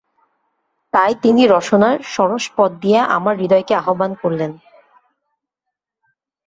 তাই তিনি রসনার সরস পথ দিয়ে আমার হৃদয়কে আহ্বান করলেন।